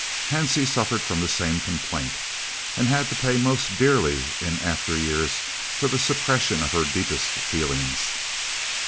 Hansie suffered from the same complaint, and had to pay most dearly in after years for the suppression of her deepest feelings.